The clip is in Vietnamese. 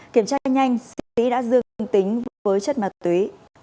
kiểm tra nhanh sĩ đã dương tính với chất ma túy